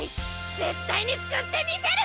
絶対に救ってみせる！